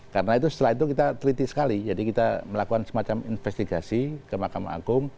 karena itu setelah itu kita teliti sekali jadi kita melakukan semacam investigasi ke mahkamah agung